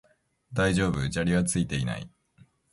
大丈夫、砂利はついていない